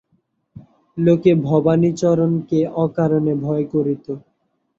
লোকে ভবানীচরণকে অকারণে ভয় করিত।